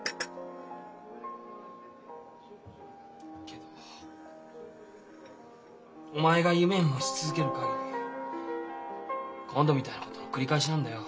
けどお前が夢持ち続ける限り今度みたいなことの繰り返しなんだよ。